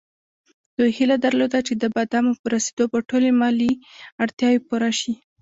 دوی هیله درلوده چې د بادامو په رسېدو به ټولې مالي اړتیاوې پوره شي.